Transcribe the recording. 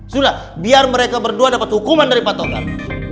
sudah biar mereka berdua dapat hukuman dari patokan